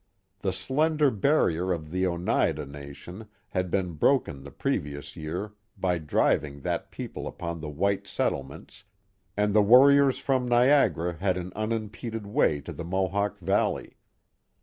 The slender barrier of the Oneida nation had been broken the previous year by driving that people upon the white settlements, and the warriors from Niagara had an unimpeded way to the Mohawk Valley.